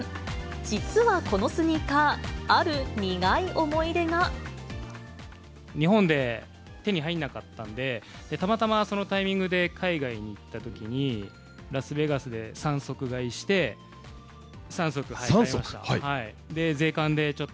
実はこのスニーカー、ある苦い思日本で手に入らなかったんで、たまたまそのタイミングで海外に行ったときに、ラスベガスで３足買いして、３足買いました。